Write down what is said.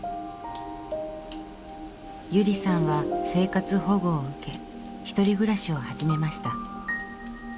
ゆりさんは生活保護を受け１人暮らしを始めました。